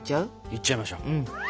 いっちゃいましょう。